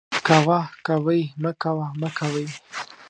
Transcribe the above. کوه ، کوئ ، مکوه ، مکوئ